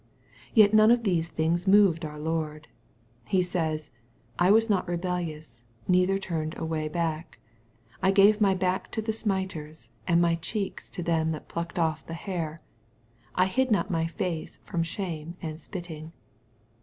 Yet none of these things moved our Lord. He says, " I was not rebellious, neither turned away back. I gave my back to the Bmiters, and my cheeks to them that plucked off the hair : I hid not my face from shame and spitting.''